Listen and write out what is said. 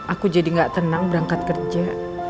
aku jadi gak tenang berangkat kerja